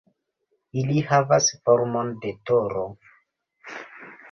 Ili havas formon de toro.